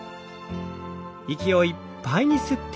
息をいっぱいに吸って。